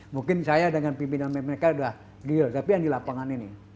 mungkin saya dengan pimpinan mereka sudah deal tapi yang di lapangan ini